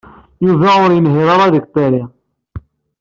Yuba ur yenhiṛ ara deg Paris.